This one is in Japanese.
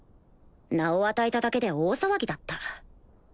名を与えただけで大騒ぎだった